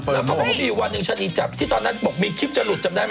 พระพะบีวะนึงฉันหีดจับที่ตอนนั้นบอกมีคลิปจะหลุดจำได้ไหม